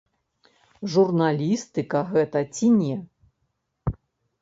Журналістыка гэта ці не?